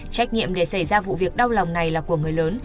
trách nhiệm để xảy ra vụ việc đau lòng này là của người lớn